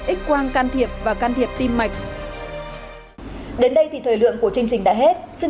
ít quan can thiệp và can thiệp tim mạch